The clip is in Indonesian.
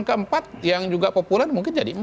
keempat yang juga populer mungkin jadi